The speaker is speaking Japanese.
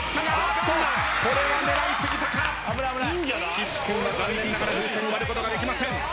岸君は残念ながら風船割ることができません。